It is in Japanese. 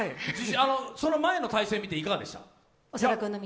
その前の対戦を見て、いかがですか？